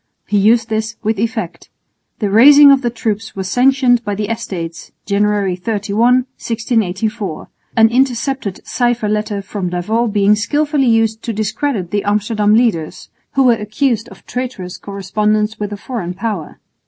He used this with effect. The raising of the troops was sanctioned by the Estates (January 31, 1684), an intercepted cipher letter from D'Avaux being skilfully used to discredit the Amsterdam leaders, who were accused of traitorous correspondence with a foreign power.